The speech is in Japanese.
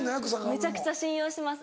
めちゃくちゃ信用します。